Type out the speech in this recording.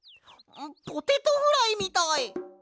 ポテトフライみたい！